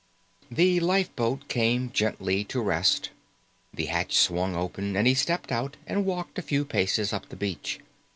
The lifeboat came gently to rest. The hatch swung open and he stepped out and walked a few paces up the beach.